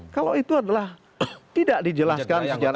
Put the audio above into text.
kalau itu adalah tidak dijelaskan secara